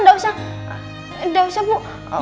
nggak usah bu